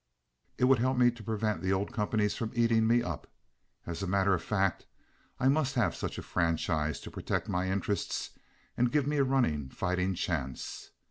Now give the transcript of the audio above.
It would help me to prevent the old companies from eating me up. As a matter of fact, I must have such a franchise to protect my interests and give me a running fighting chance.